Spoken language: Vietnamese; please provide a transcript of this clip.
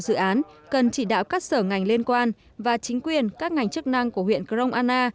dự án cần chỉ đạo các sở ngành liên quan và chính quyền các ngành chức năng của huyện grong anna